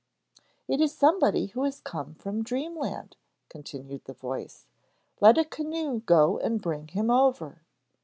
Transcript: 'It is somebody who has come from dreamland,' continued the voice. 'Let a canoe go and bring him over.'